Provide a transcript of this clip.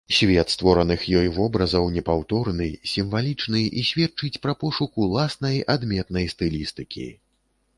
Свет створаных ёй вобразаў непаўторны, сімвалічны і сведчыць пра пошук уласнай адметнай стылістыкі.